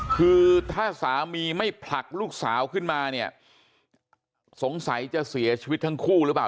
คือถ้าสามีไม่ผลักลูกสาวขึ้นมาเนี่ยสงสัยจะเสียชีวิตทั้งคู่หรือเปล่า